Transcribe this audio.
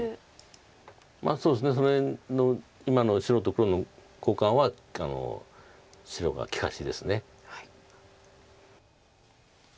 そうですねそれの今の白と黒の交換は白が利かしです。